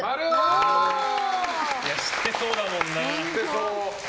知ってそうだもんな。